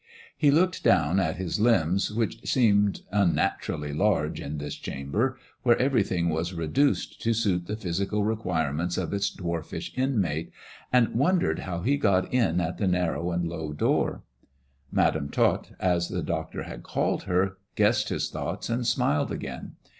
He looked down at his limbs, which s unnaturally large in this chamber, where everythin reduced to suit the physical requirements of its dv inmate, and wondered how he got in at the narrow ai door. Madam Tot, as the doctor had called her, g his thoughts, and smiled again.